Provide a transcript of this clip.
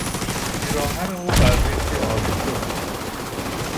پیراهن او بر میخی آویخته بود.